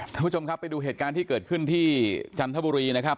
ท่านผู้ชมครับไปดูเหตุการณ์ที่เกิดขึ้นที่จันทบุรีนะครับ